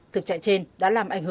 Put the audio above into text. thực trạng trên đã làm mạnh